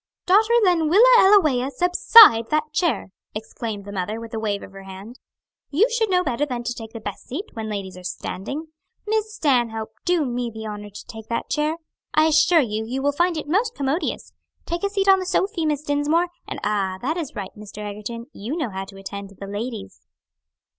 "Daughter Lenwilla Ellawea, subside that chair!" exclaimed the mother, with a wave of her hand. "You should know better than to take the best seat, when ladies are standing. Miss Stanhope, do me the honor to take that chair. I assure you, you will find it most commodious. Take a seat on the sofy, Miss Dinsmore, and ah, that is right, Mr. Egerton, you know how to attend to the ladies."